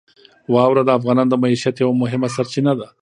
واوره د افغانانو د معیشت یوه مهمه سرچینه ده.